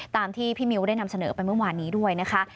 ตามที่พี่มิวได้นำเสนอไปเมื่อวานนี้ด้วยนะคะ